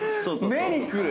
目にくる！